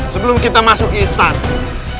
sebelum kita masuk istana